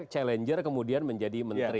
challenger kemudian menjadi menteri pak jokowi